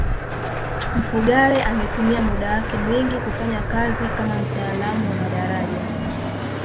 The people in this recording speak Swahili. mfugale ametumia muda wake mwingi kufanya kazi kama mtaalamu wa madaraja